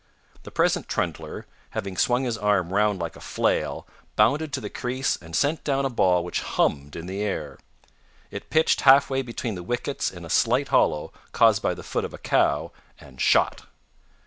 The present trundler, having swung his arm round like a flail, bounded to the crease and sent down a ball which hummed in the air. It pitched halfway between the wickets in a slight hollow caused by the foot of a cow and shot.